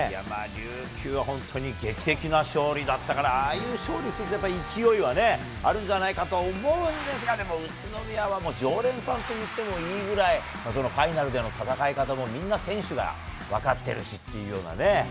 琉球は本当に劇的な勝利だったから、ああいう勝利すると勢いはね、あるんじゃないかと思うんですが、でも宇都宮は常連さんといってもいいぐらい、ファイナルでの戦い方も、みんな選手が分かってるしっていうようなね。